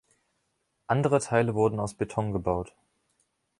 Andere Teile wurden aus Beton gebaut.